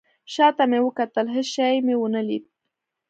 شاته مې وکتل. هیڅ شی مې ونه لید